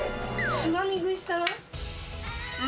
つまみ食いしたな。